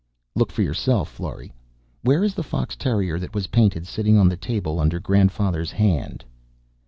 "Look for yourself, Florry! Where is the fox terrier that was painted sitting on the table under Grandfather's hand?"